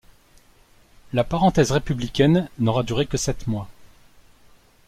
La parenthèse républicaine n'aura duré que sept mois.